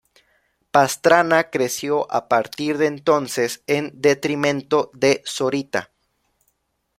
Pastrana creció a partir de entonces en detrimento de Zorita.